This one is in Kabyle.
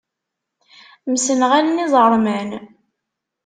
Msenɣalen iẓeṛman.